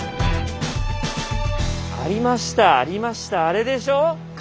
ありましたありましたあれでしょ？